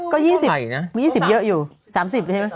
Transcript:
ก็๒๐เยอะอยู่๓๐ใช่ไหม